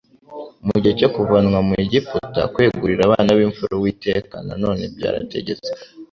Mu gihe cyo kuvanwa mu Egiputa, kwegurira abana b'imfura Uwiteka na none byarategetswe